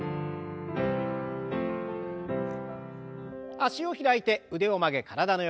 脚を開いて腕を曲げ体の横。